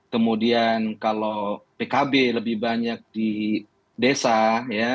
kemudian kalau pkb lebih banyak di desa ya